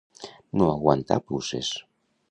No aguantar puces.